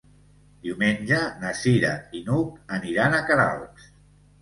Diumenge na Cira i n'Hug aniran a Queralbs.